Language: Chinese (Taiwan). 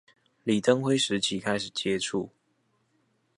李登輝時期開始接觸